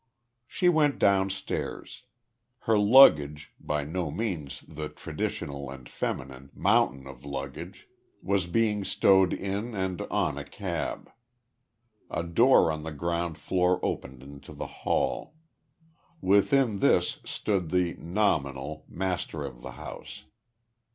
She went downstairs. Her luggage by no means the traditional, and feminine, "mountain of luggage" was being stowed in and on a cab. A door on the ground floor opened into the hall. Within this stood the nominal master of the house.